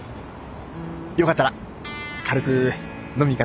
よかったら軽く飲み行かない？